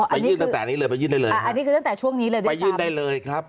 อ๋ออันนี้คืออ่ะอันนี้คือตั้งแต่ช่วงนี้เลยด้วยครับ